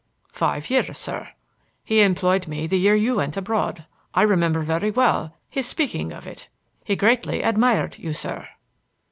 "Five years, sir. He employed me the year you went abroad. I remember very well his speaking of it. He greatly admired you, sir."